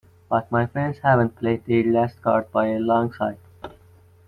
But my friends haven’t played their last card by a long sight.